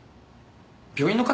病院の方？